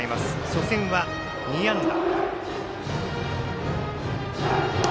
初戦は２安打。